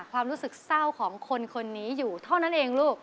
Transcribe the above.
ความรู้สึกเศร้าของคนคนนี้อยู่เท่านั้นเองลูก